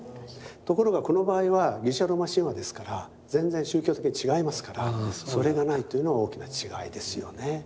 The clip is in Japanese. ところがこの場合はギリシャ・ローマ神話ですから全然宗教的に違いますからそれがないというのは大きな違いですよね。